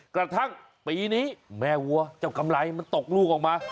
กระทั่งปีนี้แม่วัวเจ้ากำไรมันตกลูกออกมา